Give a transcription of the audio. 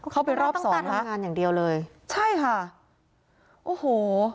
เข้าไปรอบสองนะคะใช่ค่ะโอ้โห